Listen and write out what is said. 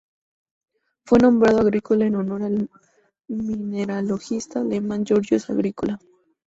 Fue nombrado Agricola en honor al mineralogista alemán Georgius Agricola.